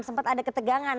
sempat ada ketegangan